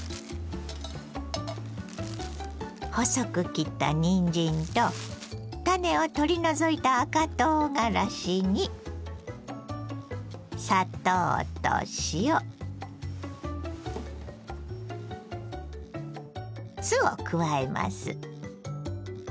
細く切ったにんじんと種を取り除いた赤とうがらしにを加えます。